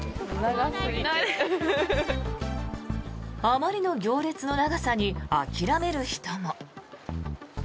あまりの行列の長さに諦める人も。